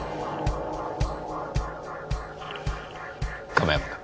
亀山君。